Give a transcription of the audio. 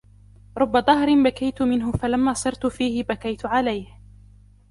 رُبَّ دَهْرٍ بَكَيْتُ مِنْهُ فَلَمَّا صِرْتُ فِيهِ بَكَيْتُ عَلَيْهِ